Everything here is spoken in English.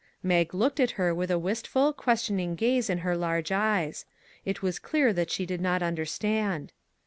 " Mag looked at her with a wistful, question '54 SURPRISES ing gaze in her large eyes. It was clear that she did not understand.